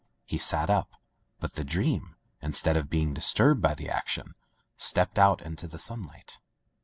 He sat up, but the dream, instead of being disturbed by the action, stepped out into the sunlight.